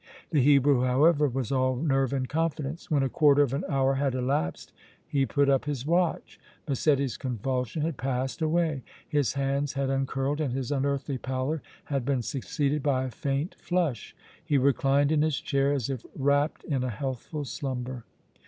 The Hebrew, however, was all nerve and confidence. When a quarter of an hour had elapsed he put up his watch. Massetti's convulsion had passed away, his hands had uncurled and his unearthly pallor had been succeeded by a faint flush. He reclined in his chair as if wrapped in a healthful slumber.